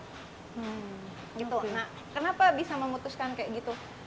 gitu nah kenapa bisa memutuskan kayak gitu